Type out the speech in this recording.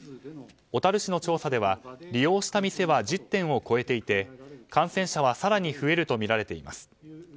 小樽市の調査では利用した店は１０店を超えていて感染者は更に増えるとみられています。